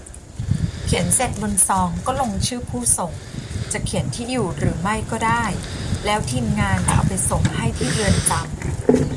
เขียนเสร็จบนซองก็ลงชื่อผู้ส่ง จะเขียนที่อยู่หรือไม่ก็ได้ แล้วทีมงานจะเอาไปส่งให้ที่เรือนจำ